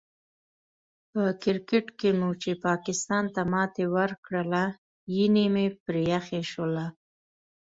په کرکیټ کې مو چې پاکستان ته ماتې ورکړله، ینه مې پرې یخه شوله.